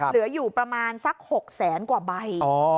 เหลืออยู่ประมาณสัก๖แสนกว่าใบ